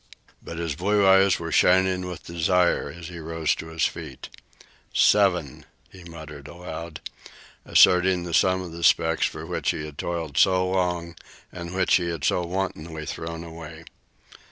But his blue eyes were shining with desire as he rose to his feet. "Seven," he muttered aloud, asserting the sum of the specks for which he had toiled so hard and which he had so wantonly thrown away.